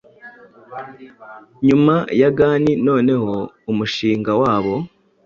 nyuma ya gan noneho umushinga wabo